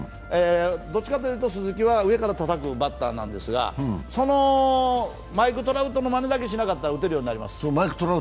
どっちかというと、鈴木は上からたたくバッターなんですが、そのマイク・トラウトのまねだけしなかった打てるようになります。